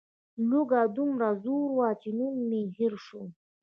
لوږه دومره زور وه چې نوم مې هېر شو.